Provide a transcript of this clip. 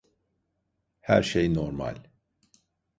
Her şey normal.